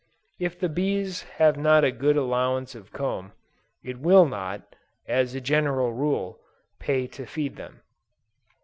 If the bees have not a good allowance of comb, it will not, as a general rule, pay to feed them.